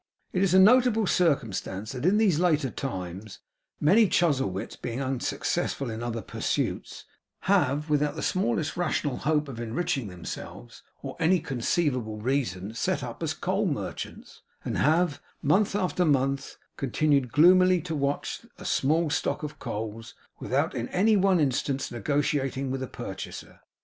It is a notable circumstance that in these later times, many Chuzzlewits, being unsuccessful in other pursuits, have, without the smallest rational hope of enriching themselves, or any conceivable reason, set up as coal merchants; and have, month after month, continued gloomily to watch a small stock of coals, without in any one instance negotiating with a purchaser.